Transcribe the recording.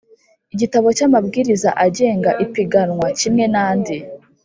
igitabo cy amabwiriza agenga ipiganwa kimwe n andi